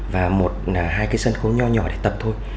và một hai cái sân khấu nhỏ nhỏ để tập thôi